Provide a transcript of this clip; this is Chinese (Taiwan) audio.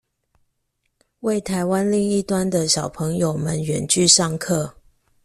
為臺灣另一端的小朋友們遠距上課